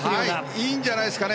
いいんじゃないですか。